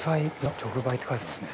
直売って書いてありますね。